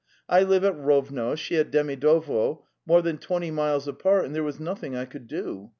... I live at Rovno, she at Demidovo, more than twenty miles apart, and there was nothing I could do.